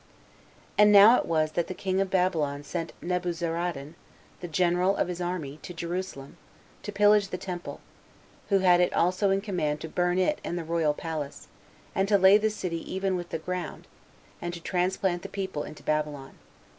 5. And now it was that the king of Babylon sent Nebuzaradan, the general of his army, to Jerusalem, to pillage the temple, who had it also in command to burn it and the royal palace, and to lay the city even with the ground, and to transplant the people into Babylon.